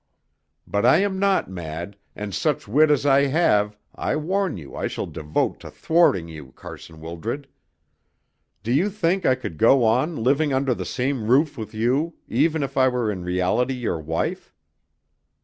But I am not mad, and such wit as I have I warn you I shall devote to thwarting you, Carson Wildred. Do you think I could go on living under the same roof with you, even if I were in reality your wife?